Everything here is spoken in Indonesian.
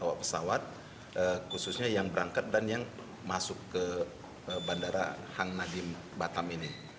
bawa pesawat khususnya yang berangkat dan yang masuk ke bandara hang nadiem batam ini